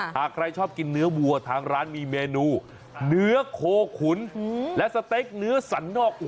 หากใครชอบกินเนื้อวัวทางร้านมีเมนูเนื้อโคขุนและสเต็กเนื้อสันนอก